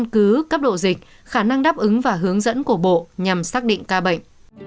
cứ cấp độ dịch khả năng đáp ứng và hướng dẫn của bộ nhằm xác định ca bệnh